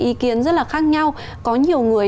ý kiến rất là khác nhau có nhiều người